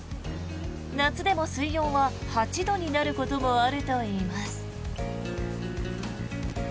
夏でも水温は８度になることもあるといいます。